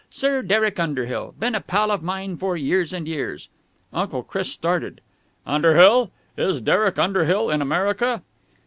Sir Derek Underhill. Been a pal of mine for years and years." Uncle Chris started. "Underhill! Is Derek Underhill in America?"